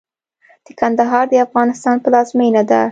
د کندهار د افغانستان پلازمېنه ده.